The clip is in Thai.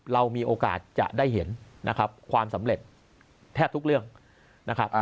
เรามีโอกาสจะได้เห็นนะครับความสำเร็จแทบทุกเรื่องนะครับ